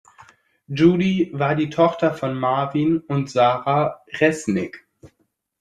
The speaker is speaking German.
Judy war die Tochter von Marvin und Sarah Resnik.